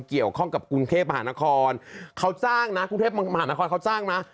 เกี่ยวข้องกับกรุงเทพมหานครเขาสร้างนะกรุงเทพมหานครเขาสร้างนะ